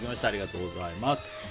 ありがとうございます。